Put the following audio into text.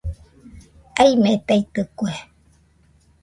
Aimetaitɨkue